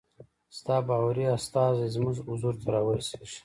ستا باوري استازی زموږ حضور ته را ورسیږي.